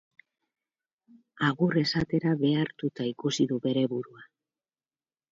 Agur esatera behartuta ikusi du bere burua.